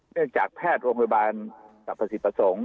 เนื่องจากแพทย์โรงพยาบาลสรรพสิทธิประสงค์